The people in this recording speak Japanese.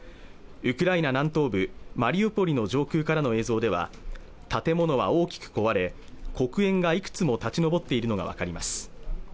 ウクライナ南東部マリウポリの上空からの映像では建物は大きく壊れ黒煙がいくつも立ち上っているのが分かります